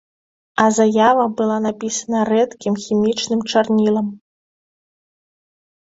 А заява была напісана рэдкім хімічным чарнілам.